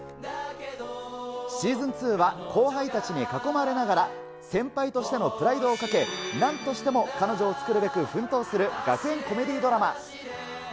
シーズン２は、後輩たちに囲まれながら、先輩としてのプライドをかけ、なんとしても彼女を作るべく奮闘する学園コメディードラマ。